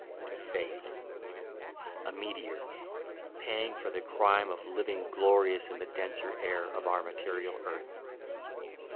To fade, a meteor, paying for the crime Of living glorious in the denser air Of our material earth.